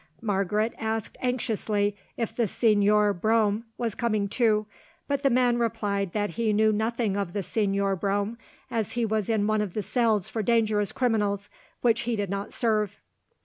Margaret asked anxiously if the Señor Brome was coming too, but the man replied that he knew nothing of the Señor Brome, as he was in one of the cells for dangerous criminals, which he did not serve.